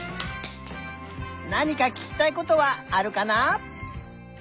なにかききたいことはあるかな？